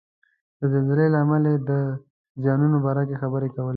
د زلزلې له امله یې د زیانونو باره کې خبرې کولې.